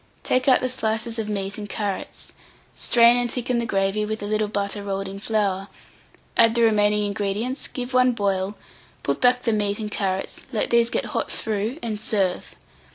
Take out the slices of meat and carrots, strain and thicken the gravy with a little butter rolled in flour; add the remaining ingredients, give one boil, put back the meat and carrots, let these get hot through, and serve.